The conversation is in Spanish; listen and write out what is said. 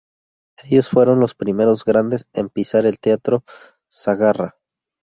Ellos fueron los primeros grandes en pisar el Teatro Sagarra.